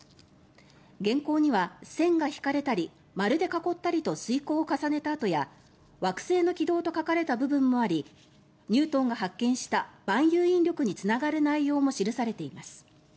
原稿には線が引かれたり丸で囲ったりと推こうを重ねた跡や惑星の軌道と書かれた部分もありニュートンが発見した万有引力につながる内容も記されています。